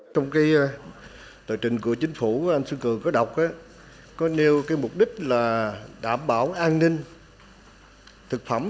trong cái tội trình của chính phủ của anh xuân cường có đọc có nhiều cái mục đích là đảm bảo an ninh thực phẩm